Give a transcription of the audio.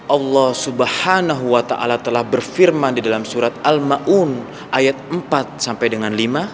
allah subhanahu wa ta'ala telah berfirman di dalam surat al ma'un ayat empat sampai dengan lima